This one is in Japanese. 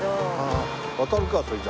渡るかそれじゃ。